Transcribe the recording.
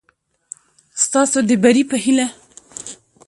ستاسو د بري په هېله